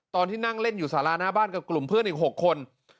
ตอนที่นั่งเล่นอยู่สาราหน้าบ้านกับกลุ่มเพื่อนอีก๖คน